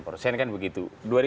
persen kan begitu dua ribu sembilan